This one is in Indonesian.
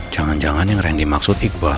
jangan jangan yang randy maksud iqbal